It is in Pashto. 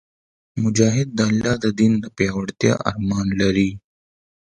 مجاهد د الله د دین د پیاوړتیا ارمان لري.